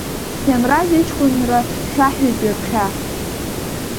Ҭемраз иҷкәынра хьаҳәит ҩаԥхьа.